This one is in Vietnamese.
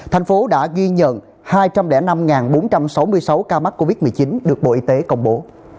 thành phố đã ghi nhận hai trăm linh năm bốn trăm sáu mươi sáu ca mắc covid một mươi chín được bộ y tế công bố